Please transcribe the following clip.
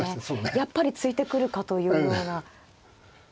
やっぱり突いてくるかというような。